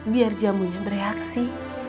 biar jamunya bereaksi